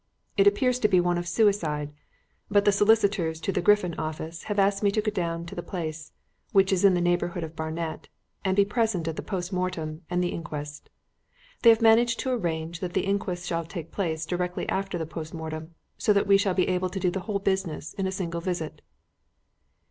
"It appears to be one of suicide, but the solicitors to the 'Griffin' office have asked me to go down to the place, which is in the neighbourhood of Barnet, and be present at the post mortem and the inquest. They have managed to arrange that the inquest shall take place directly after the post mortem, so that we shall be able to do the whole business in a single visit."